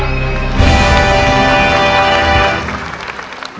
ไม่ใช้นะครับ